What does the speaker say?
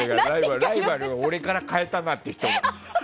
ライバルを俺から変えたなっていう人。